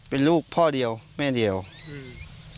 เป็นลูกพ่อเดียวแม่เดียวอืม